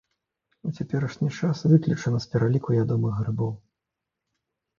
У цяперашні час выключана з пераліку ядомых грыбоў.